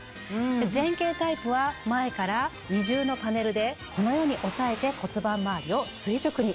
前傾タイプは前から二重のパネルでこのように押さえて骨盤周りを垂直に。